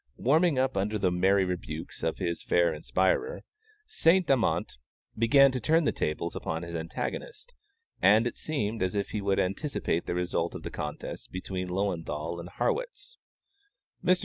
Warming up under the merry rebukes of his fair inspirer, Saint Amant began to turn the tables upon his antagonist, and it seemed as if he would anticipate the result of the contest between Löwenthal and Harrwitz. Mr.